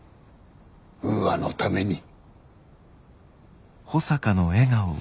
ウーアのために。